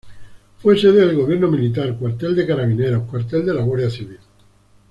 Fue sede del Gobierno Militar, cuartel de Carabineros, cuartel de la Guardia Civil.